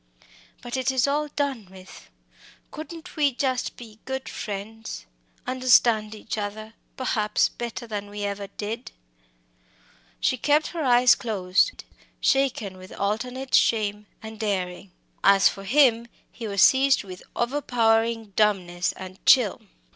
But it is all done with couldn't we just be good friends understand each other, perhaps, better than we ever did?" She kept her eyes closed, shaken with alternate shame and daring. As for him, he was seized with overpowering dumbness and chill.